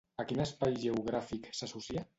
A quin espai geogràfic s'associa?